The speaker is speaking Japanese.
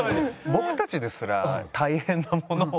僕たちですら大変なものを。